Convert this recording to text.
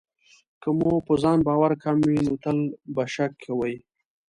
که مو په ځان باور کم وي، نو تل به شک کوئ.